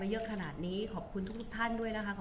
บุ๋มประดาษดาก็มีคนมาให้กำลังใจเยอะ